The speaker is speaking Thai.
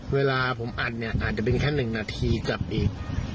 เวลาผมอัดเนี่ยอาจจะเป็นแค่๑นาทีกลับอีก